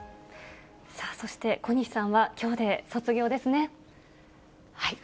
さあ、そして小西さんはきょうで卒業ですね。